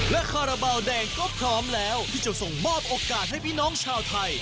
และคาราบาลแดงก็พร้อมแล้วที่จะส่งมอบโอกาสให้พี่น้องชาวไทย